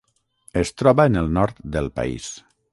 Es troba en el nord del país.